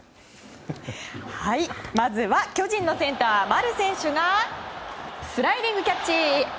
まずは巨人のセンター丸選手がスライディングキャッチ！